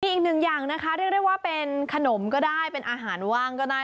อีกหนึ่งอย่างนะคะเรียกได้ว่าเป็นขนมก็ได้เป็นอาหารว่างก็ได้